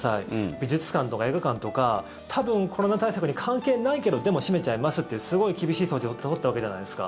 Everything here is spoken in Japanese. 美術館とか映画館とか多分、コロナ対策に関係ないけどでも、閉めちゃいますってすごい厳しい措置を取ったわけじゃないですか。